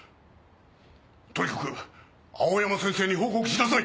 とにかく青山先生に報告しなさい。